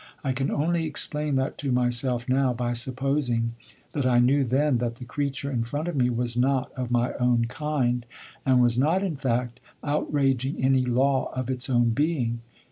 I can only explain that to myself now, by supposing that I knew then, that the creature in front of me was not of my own kind, and was not, in fact, outraging any law of its own being.